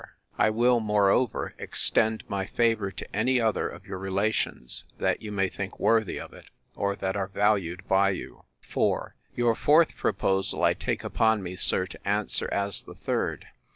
I will, moreover, extend my favour to any other of your relations, that you may think worthy of it, or that are valued by you. IV. Your fourth proposal, I take upon me, sir, to answer as the third.